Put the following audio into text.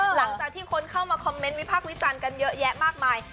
หลังจากที่คนเข้ามาคอมเมนต์วิพากษ์วิจารณ์กันเยอะแยะมากมาย